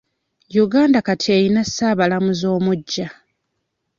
Uganda kati eyina ssaabalamuzi omugya.